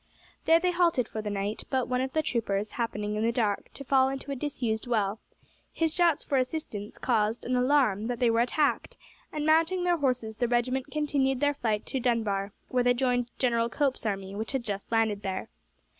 There they halted for the night; but one of the troopers happening in the dark to fall into a disused well, his shouts for assistance caused an alarm that they were attacked, and mounting their horses the regiment continued their flight to Dunbar, where they joined General Cope's army, which had just landed there.